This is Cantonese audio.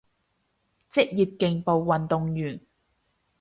職業競步運動員